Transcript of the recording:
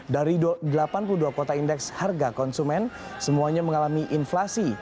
dari delapan puluh dua kota indeks harga konsumen semuanya mengalami inflasi